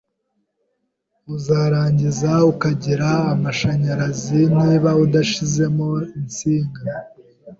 Uzarangiza ukagira amashanyarazi niba udashyizemo insinga